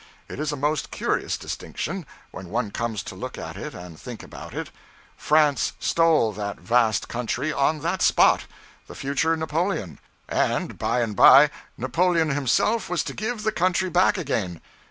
It is a most curious distinction, when one comes to look at it and think about it. France stole that vast country on that spot, the future Napoleon; and by and by Napoleon himself was to give the country back again!